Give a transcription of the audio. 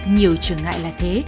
nhiều trường ngại là thế